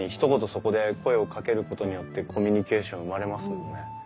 そこで声をかけることによってコミュニケーション生まれますもんね。